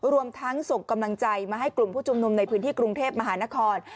รวมทั้งส่งกำลังใจมาให้กลุ่มผู้ชุมนุมในพื้นที่กรุงเทพมหานคร